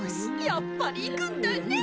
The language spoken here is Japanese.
やっぱりいくんだね。